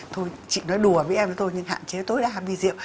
thôi chị nói đùa với em thôi nhưng hạn chế tôi đã hát bia rượu